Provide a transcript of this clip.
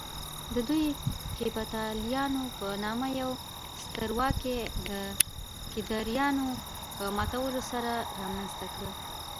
دوی د هېپتاليانو په نامه يوه سترواکي د کيداريانو په ماتولو سره رامنځته کړه